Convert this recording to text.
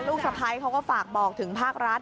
ลูกสะพ้ายเขาก็ฝากบอกถึงภาครัฐ